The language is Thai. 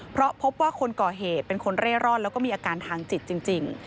เพราะพบว่าคนก่อเหตุเป็นคนเร่ร่อนแล้วก็มีอาการทางจิตจริง